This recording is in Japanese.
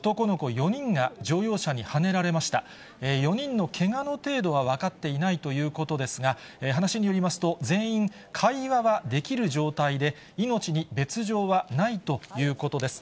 ４人のけがの程度は分かっていないということですが、話によりますと、全員、会話はできる状態で、命に別状はないということです。